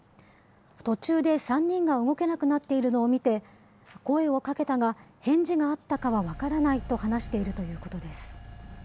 途中で３人が動けなくなっているのを見て、声をかけたが返事があったかは分からないと話しているということです。